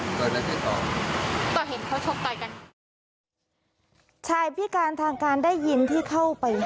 แล้วใครต่อก็เห็นเขาชกกันชายบิการทางการได้ยินที่เข้าไปห้าม